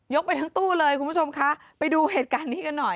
ไปทั้งตู้เลยคุณผู้ชมคะไปดูเหตุการณ์นี้กันหน่อย